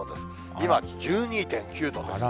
今１２．９度ですね。